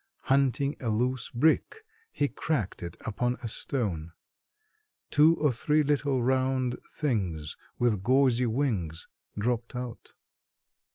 Hunting a loose brick he cracked it upon a stone. Two or three little round things with gauzy wings dropped out.